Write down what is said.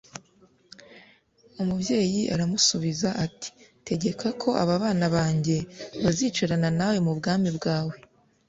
Umubyeyi aramusubiza ati: «Tegeka ko aba bana banjye bazicarana nawe mu bwami bwawe,